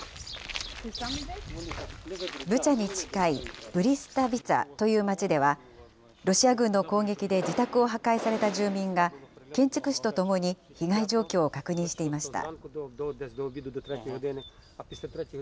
ブチャに近い、ブリスタビツァという町では、ロシア軍の攻撃で自宅を破壊された住民が、建築士と共に被害状況を確認していました。